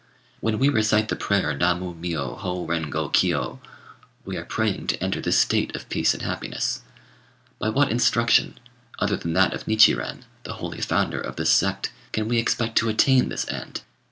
When we recite the prayer Na Mu Miyô Hô Ren Go Kiyô, we are praying to enter this state of peace and happiness. By what instruction, other than that of Nichiren, the holy founder of this sect, can we expect to attain this end?